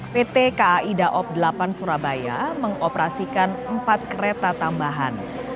pt kai daob delapan surabaya mengoperasikan empat kereta tambahan